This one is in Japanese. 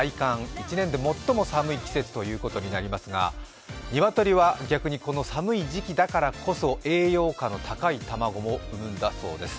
１年で最も寒い季節ということになりますが鶏は逆にこの寒い時期だからこそ栄養価の高い卵を産むんだそうです。